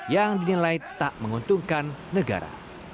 yang dinilai tak menguntungkan negara